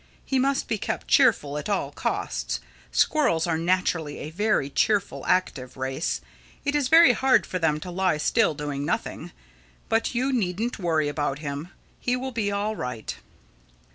He must be kept cheerful at all costs. Squirrels are naturally a very cheerful, active race. It is very hard for them to lie still doing nothing. But you needn't worry about him. He will be all right."